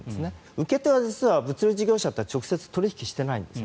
受け手は実は物流事業者とは直接取引してないんです。